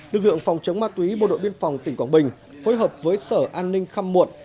lực lượng phòng chống ma túy bộ đội biên phòng tỉnh quảng bình phối hợp với sở an ninh khăm muộn